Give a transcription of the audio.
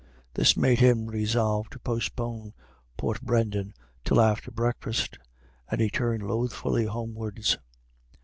This made him resolve to postpone Portbrendan till after breakfast, and he turned lothfully homewards.